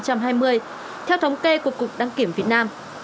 theo thống kê của cục đăng kiểm việt nam